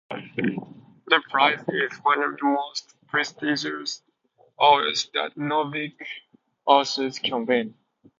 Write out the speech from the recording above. The prize is one of the most prestigious awards that Nordic authors can win.